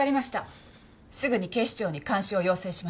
すぐに警視庁に監視を要請します。